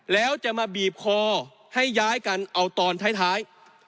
แล้วจะมาบีบคอให้ย้ายกันเอาตอนท้าย